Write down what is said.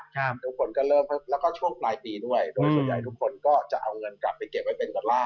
เดี๋ยวฝนก็เริ่มแล้วก็ช่วงปลายปีด้วยโดยส่วนใหญ่ทุกคนก็จะเอาเงินกลับไปเก็บไว้เป็นดอลลาร์